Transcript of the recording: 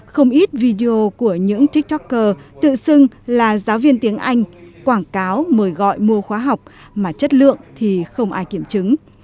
không ít video của những tiktoker tự xưng là giáo viên tiếng anh quảng cáo mời gọi mua khóa học mà chất lượng thì không ai kiểm chứng